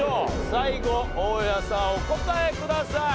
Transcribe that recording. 最後大家さんお答えください。